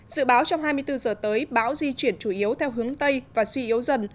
dự báo trong hai mươi bốn giờ tới bão di chuyển chủ yếu theo hướng tây và suy yếu dần